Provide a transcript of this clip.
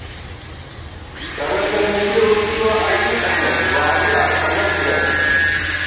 کرہ تہ مِلی اُردُوَہ اَگی تھنَئت، وارِیاں ݭَلَک ژَمېت